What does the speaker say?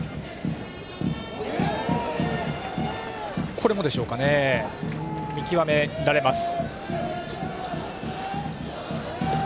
これもでしょうか見極められます。